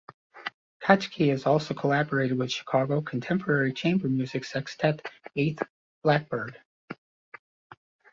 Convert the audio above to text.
Kotche has also collaborated with Chicago contemporary chamber music sextet Eighth Blackbird.